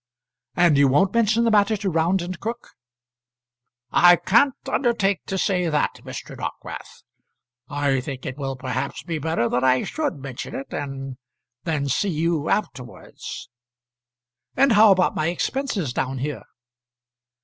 "And you won't mention the matter to Round and Crook?" "I can't undertake to say that, Mr. Dockwrath. I think it will perhaps be better that I should mention it, and then see you afterwards." "And how about my expenses down here?"